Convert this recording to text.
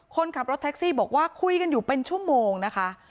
คนขับรถแท็กซี่บอกว่าคุยกันอยู่เป็นชั่วโมงนะคะ